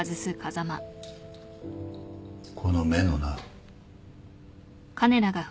この目のな。